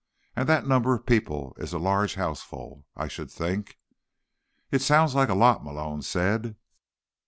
And that number of people is a large houseful, I should think." "It sounds like a lot," Malone said.